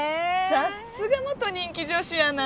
さすが元人気女子アナ